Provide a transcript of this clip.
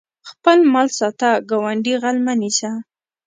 خپل مال ساته ګاونډي غل مه نیسه